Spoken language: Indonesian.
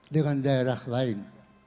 dengan daerah lain